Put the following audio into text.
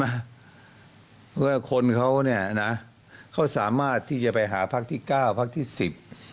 เพราะว่าคนเขาเนี่ยนะเขาสามารถที่จะไปหาพักที่เก้าพักที่สิบ